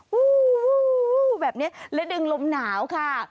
โอ้โหแบบนี้และดึงลมหนาวค่ะ